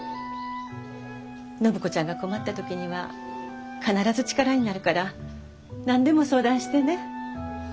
暢子ちゃんが困った時には必ず力になるから何でも相談してね。